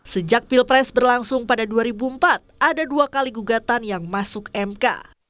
sejak pilpres berlangsung pada dua ribu empat ada dua kali gugatan yang masuk mk